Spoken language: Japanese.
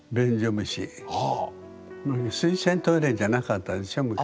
水洗トイレじゃなかったでしょ昔。